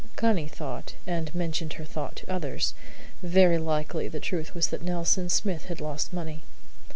Connie thought, and mentioned her thought to others: very likely the truth was that Nelson Smith had lost money.